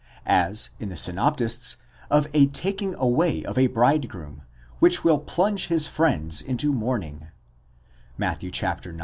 as, in the synoptists, of a taking away of a bridegroom, which will plunge his friends into mourning (Matt, ix.